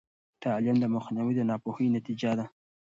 د تعلیم مخنیوی د ناپوهۍ نتیجه ده.